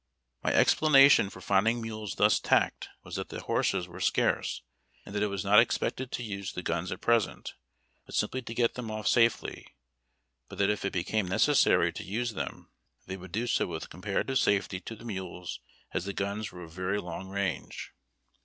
My explanation for finding the mules thus tackled was that horses were scarce, and that it was not expected to use the guns at present, bat simply to get them off safely; but that if it became necessary to use them they could do so with comparative safety to the mules as the guns were of very long range.